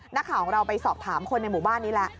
นักข่าวของเราไปสอบถามคนในหมู่บ้านนี้แล้ว